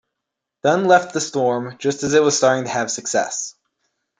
Dunn left the Storm just as it was starting to have success.